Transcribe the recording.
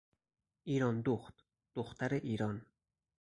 ایراندخت، دختر ایران